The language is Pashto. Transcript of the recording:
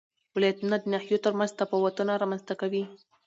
ولایتونه د ناحیو ترمنځ تفاوتونه رامنځ ته کوي.